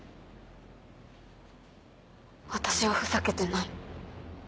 私はふざけてない。